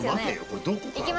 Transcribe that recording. これどこから？